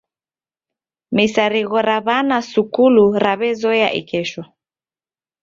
Misarigho ra w'ana sukulu raw'ezoya ikesho.